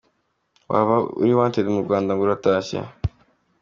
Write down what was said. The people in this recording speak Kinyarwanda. Waba uri Wanted mu Rwanda ngo uratashye ?